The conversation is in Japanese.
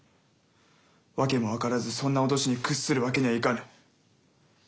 訳も分からずそんな脅しに屈するわけにはいかぬ。